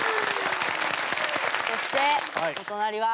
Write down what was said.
そしてお隣は。